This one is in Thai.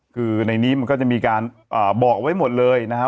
คือในนี้มันก็จะมีการบอกเอาไว้หมดเลยนะฮะ